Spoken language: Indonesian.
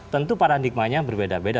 tentu paradigmanya berbeda beda